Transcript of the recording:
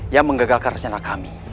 yang menggagalkan rencana kami